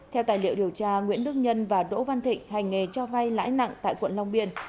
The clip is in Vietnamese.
theo tài liệu điều tra nguyễn đức nhân và đỗ văn thịnh hành nghề cho vay lãi nặng tại quận long biên